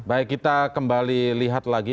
baik kita kembali lihat lagi